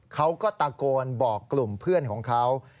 เขาก็ตะโกนบอกกลุ่มเพื่อนของเขา